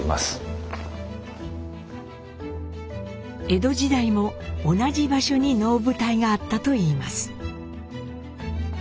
江戸時代も同じ場所に能舞台があったといいます。